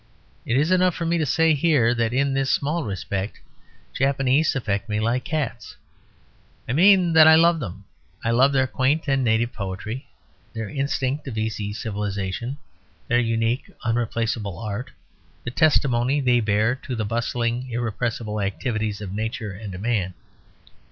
It is enough for me to say here that in this small respect Japs affect me like cats. I mean that I love them. I love their quaint and native poetry, their instinct of easy civilisation, their unique unreplaceable art, the testimony they bear to the bustling, irrepressible activities of nature and man.